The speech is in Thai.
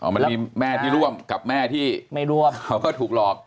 มันมีแม่ที่ร่วมกับแม่ที่ไม่ร่วมเขาก็ถูกหลอก